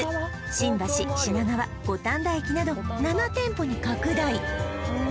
新橋品川五反田駅など７店舗に拡大